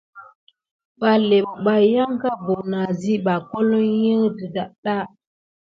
Ɓaɗé pebay yanka buwune asiɓa holohi adaga.